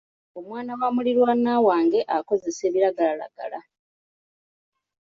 Omwana wa muliraanwa wange akozesa ebiragalalagala.